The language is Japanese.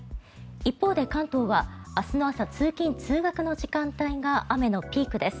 一方で関東は明日の朝通勤・通学の時間帯が雨のピークです。